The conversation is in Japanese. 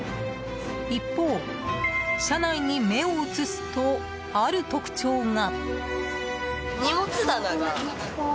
一方、車内に目を移すとある特徴が。